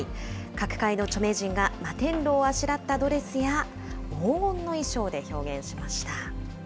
各界の著名人が摩天楼をあしらったドレスや、黄金の衣装で表現しました。